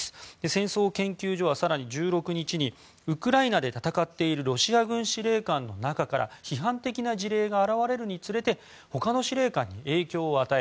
戦争研究所は更に１６日にウクライナで戦っているロシア軍司令官の中から批判的な事例が表れるにつれてほかの司令官に影響を与え